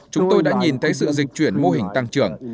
chúng tôi đã nhìn thấy sự dịch chuyển mô hình tăng trưởng